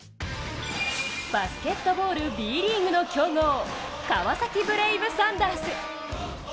バスケットボールＢリーグの強豪・川崎ブレイブサンダース。